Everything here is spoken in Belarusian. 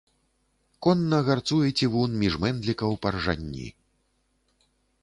Конна гарцуе цівун між мэндлікаў па ржанні.